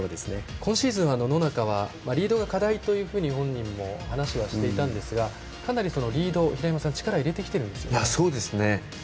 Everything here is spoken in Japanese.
今シーズン、野中はリードが課題というふうに本人も話はしていたんですがかなりリードに力入れてきてるんですよね。